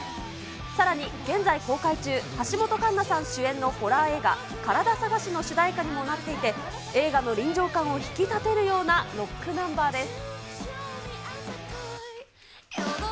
さらに現在公開中、橋本環奈さん主演のホラー映画、カラダ探しの主題歌にもなっていて、映画の臨場感を引き立てるようなロックナンバーです。